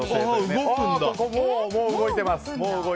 もう動いてます。